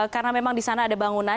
karena memang di sana ada bangunan